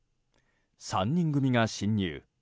３人組が侵入。